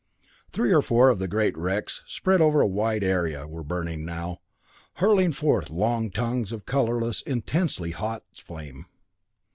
Three or four of the great wrecks, spread over a wide area, were burning now, hurling forth long tongues of colorless, intensely hot flame.